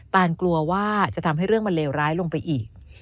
ตานกลัวว่าจะทำให้เรื่องมันเลวร้ายลงไปอีก